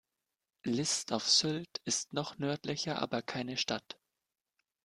List auf Sylt ist noch nördlicher, aber keine Stadt.